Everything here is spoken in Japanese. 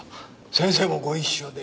先生もご一緒で。